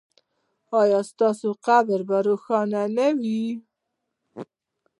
ایا ستاسو قبر به روښانه نه وي؟